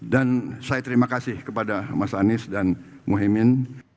dan saya terima kasih kepada mas anies dan muhaymin